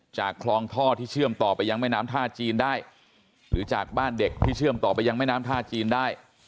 จากคลองท่อที่เชื่อมต่อไปยังแม่น้ำท่าจีนได้หรือจากบ้านเด็กที่เชื่อมต่อไปยังแม่น้ำท่าจีนได้